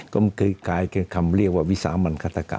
ก็คือกลายเป็นคำเรียกว่าวิสามันฆาตกรรม